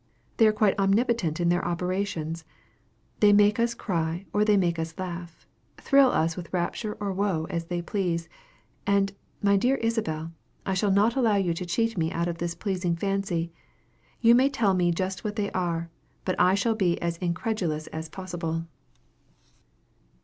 They are quite omnipotent in their operations. They make us cry or they make us laugh; thrill us with rapture or woe as they please. And, my dear Isabel, I shall not allow you to cheat me out of this pleasing fancy. You may tell us just what they are, but I shall be as incredulous as possible.